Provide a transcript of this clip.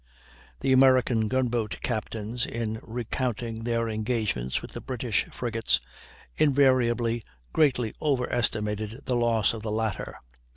The American gun boat captains in recounting their engagements with the British frigates invariably greatly overestimated the loss of the latter.